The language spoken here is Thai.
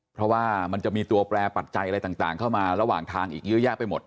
เพราะว่ามันจะมีตัวแปรปัจจัยอะไรต่างเข้ามาระหว่างทางอีกเยอะแยะไปหมด